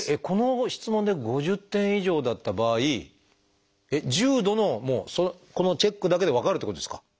この質問で５０点以上だった場合重度のこのチェックだけで分かるってことですか？